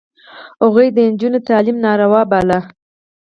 هغوی د نجونو تعلیم ناروا باله.